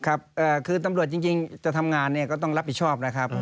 ครับคือตำรวจจริงจะทำงานเนี่ยก็ต้องรับผิดชอบนะครับ